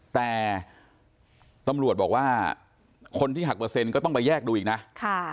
แต่ตำรวจบอกว่าคนที่หักเปอร์เซ็นต์ก็ต้องไปแยกดูอีกนะค่ะ